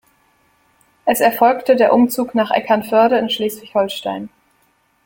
Es erfolgte der Umzug nach Eckernförde in Schleswig-Holstein.